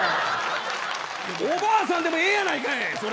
おばあさんでもええやないかい。